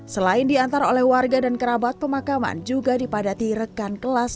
selain diantar oleh warga dan kerabat pemakaman juga dipadati rekan kelas